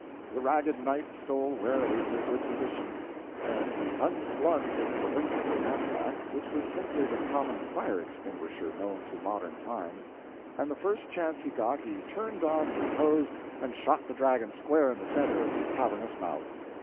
The ragged knight stole warily to a good position, then he unslung his cylindrical knapsack which was simply the common fire extinguisher known to modern times and the first chance he got he turned on his hose and shot the dragon square in the center of his cavernous mouth.